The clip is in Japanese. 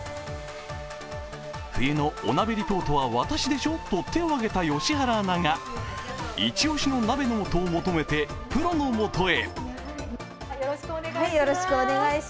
冬のお鍋リポートは私でしょと手を挙げた良原アナが一押しの鍋のもとを求めてプロのもとへ。